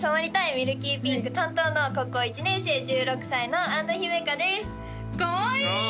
ミルキーピンク担当の高校１年生１６歳の安土姫華ですかわいい！